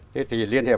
thế thì liên hệ